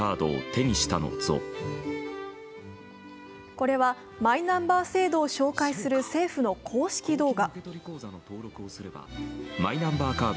これはマイナンバー制度を紹介する政府の公式動画。